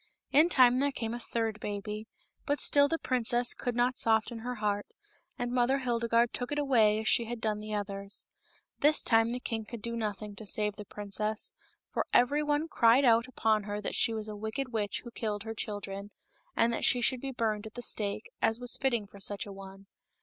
In time there came a third baby, but still the princess could not soften her heart, and Mother Hildegarde took it away as she had done the others. This time the king could do nothing, to save the princess, for every one cried out upon her that she was a wicked witch who killed her children, and that she should be burned at the stake, as was fitting for such a one.